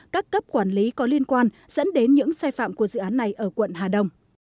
các cấp quản lý có liên quan dẫn đến những sai phạm của dự án này ở quận hà đông